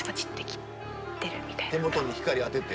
手元に光当てて。